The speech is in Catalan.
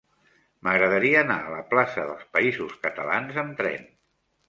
M'agradaria anar a la plaça dels Països Catalans amb tren.